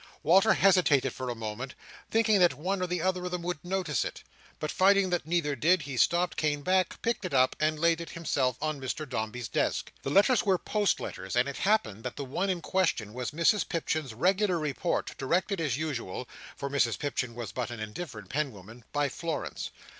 Walter hesitated for a moment, thinking that one or other of them would notice it; but finding that neither did, he stopped, came back, picked it up, and laid it himself on Mr Dombey's desk. The letters were post letters; and it happened that the one in question was Mrs Pipchin's regular report, directed as usual—for Mrs Pipchin was but an indifferent penwoman—by Florence.